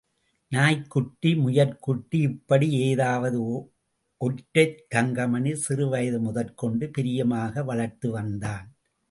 நாய்க்குட்டி, முயற்குட்டி இப்படி ஏதாவது ஒன்றைத் தங்கமணி சிறுவயது முதற்கொண்டு பிரியமாக வளர்த்து வந்தான்.